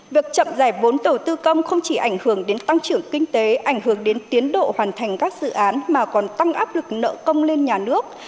việc chậm giải vốn đầu tư công không chỉ ảnh hưởng đến tăng trưởng kinh tế ảnh hưởng đến tiến độ hoàn thành các dự án mà còn tăng áp lực nợ công lên nhà nước